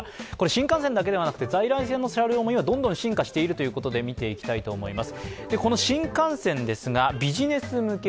新幹線だけではなくて在来線の車両も今、どんどん進化しているということで見ていきたいと思います。